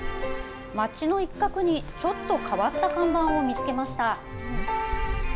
町の一角にちょっと変わった看板を見つけました。